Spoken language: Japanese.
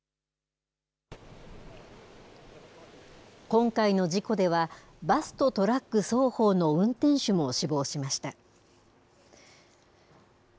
今回の事故では、バスとトラック双方の運転手も死亡しました。